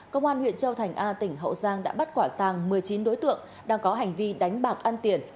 công an huyện châu thành a tỉnh hậu giang đã bắt quả tàng một mươi chín đối tượng đang có hành vi đánh bạc ăn tiền